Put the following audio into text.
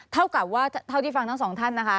เท่ากับว่าเท่าที่ฟังทั้งสองท่านนะคะ